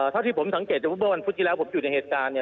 ถ้าที่ผมสังเกตว่าวันพฤษที่แล้วผมอยู่ในเหตุการณ์